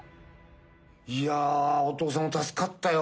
いやお父さん助かったよ。